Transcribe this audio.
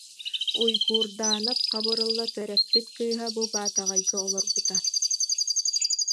Уйгуурдаанап Хабырылла төрөппүт кыыһа бу Баатаҕайга олорбута